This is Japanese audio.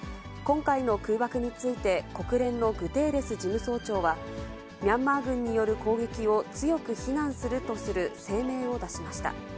今回の空爆について、国連のグテーレス事務総長は、ミャンマー軍による攻撃を強く非難するとする声明を出しました。